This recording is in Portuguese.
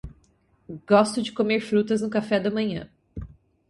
Gosto de comer frutas no café da manhã.